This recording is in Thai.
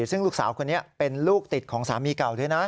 ซึ่งลูกสาวคนนี้เป็นลูกติดของสามีเก่าด้วยนะ